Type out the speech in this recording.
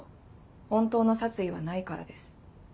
本当の殺意はないからです。